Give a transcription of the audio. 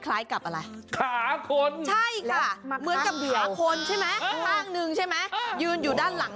คล้ายกับอะไรขาขนเท่าให้ถ้ามันมักอากาศเกี่ยวคนใช่ไหมเรื่องนึงใช่ไหมยืนอยู่ด้านหลัง